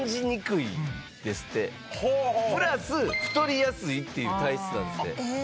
プラス「太りやすい」っていう体質なんですって。